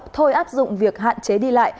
thôi áp dụng việc hạn chế điện thoại